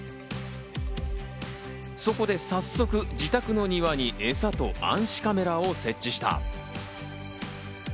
そこで早速、自宅の庭にエサと暗視カメラを設置した。